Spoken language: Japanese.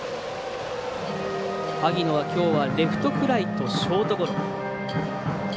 萩野はきょうはレフトフライとショートゴロ。